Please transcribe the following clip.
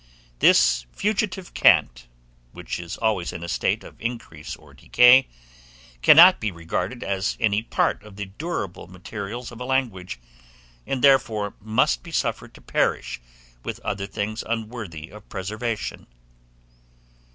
This fugitive cant, which is always in a state of increase or decay, cannot be regarded as any part of the durable materials of a language, and therefore must be suffered to perish with other things unworthy of preservation.